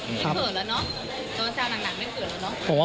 ไม่เผื่อแล้วเนอะโดยเจ้าหนังไม่เผื่อแล้วเนอะ